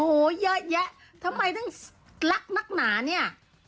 โอ๊ยเยอะทำไมตั้งรักนักหนานี่